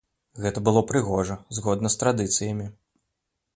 Гэта было прыгожа, згодна з традыцыямі.